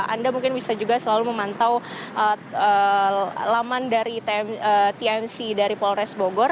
anda mungkin bisa juga selalu memantau laman dari tmc dari polres bogor